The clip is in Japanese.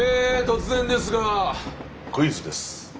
突然ですがクイズです。